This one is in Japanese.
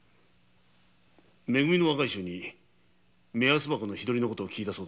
「め組」の若い衆に目安箱の日取りの事を聞いたそうだが。